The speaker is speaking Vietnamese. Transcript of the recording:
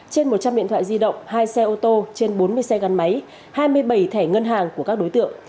trên một trăm linh điện thoại di động hai xe ô tô trên bốn mươi xe gắn máy hai mươi bảy thẻ ngân hàng của các đối tượng